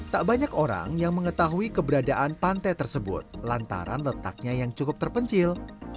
tak banyak orang yang mengetahui keberadaan pantai tersebut lantaran letaknya yang cukup terpencil